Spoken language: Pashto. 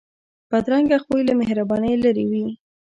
بدرنګه خوی له مهربانۍ لرې وي